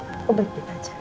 aku mau ke rumah ya